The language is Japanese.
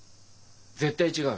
「絶対違う。